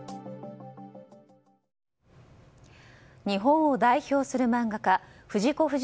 日本を代表する漫画家藤子